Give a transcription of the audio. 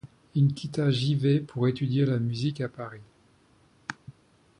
Il quitta Givet pour étudier la musique à Paris.